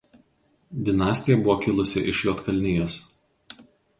Dinastija buvo kilusi iš Juodkalnijos.